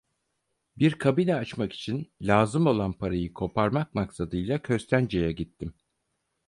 Bir kabine açmak için lazım olan parayı koparmak maksadıyla Köstence’ye gittim.